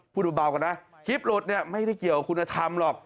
พูดเบาก่อนนะคลิปหลุดเนี่ยไม่ได้เกี่ยวกับคุณธรรมหรอก